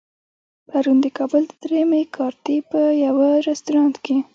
پرون د کابل د درېیمې کارتې په يوه رستورانت کې.